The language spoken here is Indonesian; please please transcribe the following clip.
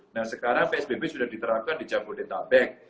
nah sekarang psbb sudah diterapkan di jabodetabek